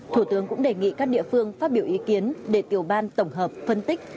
thủ tướng cũng đề nghị các địa phương phát biểu ý kiến để tiểu ban tổng hợp phân tích